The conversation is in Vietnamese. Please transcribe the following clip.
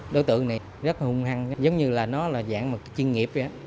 đối tượng này rất hùng hăng giống như là nó là dạng chuyên nghiệp vậy đó